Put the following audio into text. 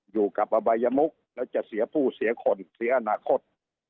อยู่กับอบัยมุกแล้วจะเสียผู้เสียคนเสียอนาคต